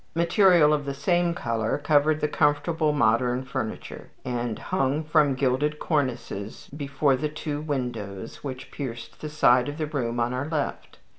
Material of the same color covered the comfortable modern furniture, and hung from gilded cornices before the two windows which pierced the side of the room on our left.